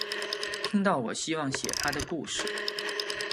听到我希望写她的故事